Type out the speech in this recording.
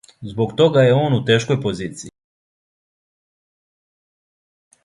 Због тога је он у тешкој позицији.